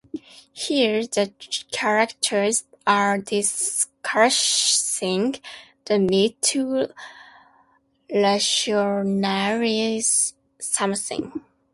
Here, the characters are discussing the need to rationalize something.